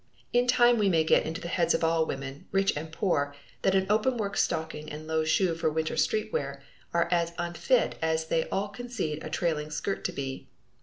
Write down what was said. In time we may get into the heads of all women, rich and poor, that an open work stocking and low shoe for winter street wear are as unfit as they all concede a trailing skirt to be.